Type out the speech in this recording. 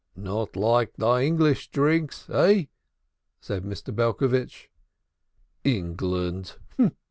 "Not like thy English drinks, eh?" said Mr. Belcovitch. "England!"